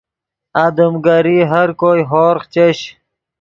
آدم گری ہر کوئے ہورغ چش